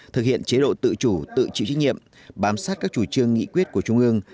thực hiện chế độ tự chủ tự chịu trách nhiệm bám sát các chủ trương nghị quyết của trung ương